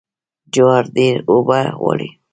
جوار ډیرې اوبه غواړي.